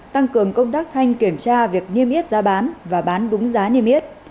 tăng cường công tác thanh kiểm tra việc niêm yết giá bán và bán đúng giá niêm yết